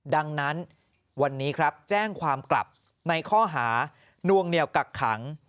ดังนั้นวันนี้ครับแจ้งความกลับในข้อหานวงเหนียวกักขัง